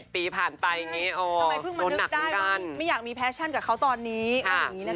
๑๑ปีผ่านไปอย่างงี้โอ้